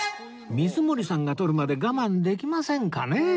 水森さんが採るまで我慢できませんかね